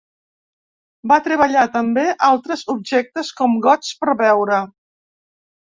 Va treballar també altres objectes com gots per beure.